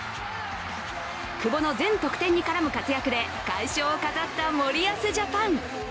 久保の全得点に絡む活躍で、快勝を飾った森保ジャパン。